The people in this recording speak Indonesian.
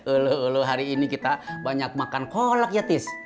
ulu hari ini kita banyak makan kolak ya tis